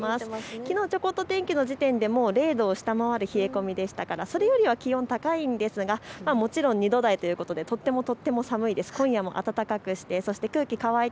きのうちょこっと天気の時点でもう０度を下回る冷え込みでしたからそれよりは気温高いんですがもちろん２度台ということでとても寒いです。